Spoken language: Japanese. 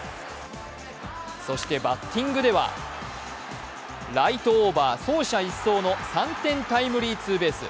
そしてバッティングではライトオーバー、走者一掃の３点タイムリーツーベース。